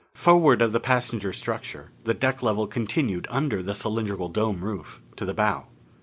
Forward of the passenger structure the deck level continued under the cylindrical dome roof to the bow.